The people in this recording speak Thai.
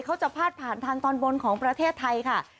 เขาจะพาดผ่านทางตอนบนของประเทศไทยค่ะ